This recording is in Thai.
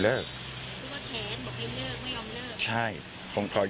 คือว่าแขนบอกให้เลิกไม่ยอมเลิก